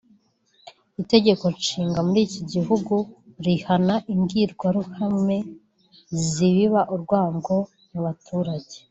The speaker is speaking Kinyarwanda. Itegeko Nshinga muri iki gihugu rihana imbwirwaruhame zibiba urwango mu baturage